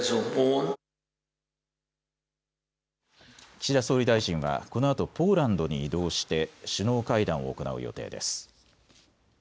岸田総理大臣はこのあとポーランドに移動して首脳会談を行う予定です。